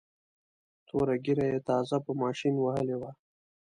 توره ږیره یې تازه په ماشین وهلې وه.